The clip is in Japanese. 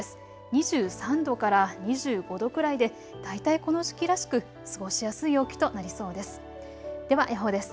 ２３度から２５度くらいで大体この時期らしく過ごしやすい陽気となりそうです。